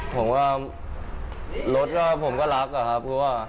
ผมว่ารถผมก็รักครับ